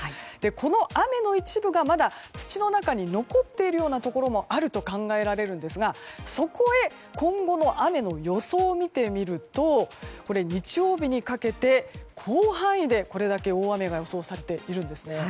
この雨の一部がまだ土の中に残っているところもあると考えられるんですがそこへ、今後の雨の予想を見ると日曜日にかけて広範囲でこれだけ大雨が予想されているんです。